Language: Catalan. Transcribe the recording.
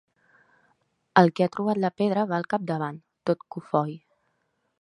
El que ha trobat la pedra va al capdavant, tot cofoi.